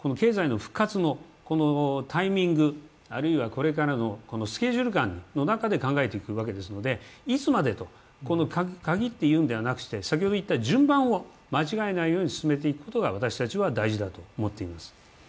この経済の復活のタイミング、あるいはこれからのスケジュール感の中で考えていくのでいつまでと限って言うのではなくて順番を間違えないように進めていくことが私たちは大事だと思っています。